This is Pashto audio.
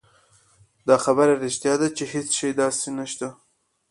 دا خبره رښتيا ده چې هېڅ داسې شی نشته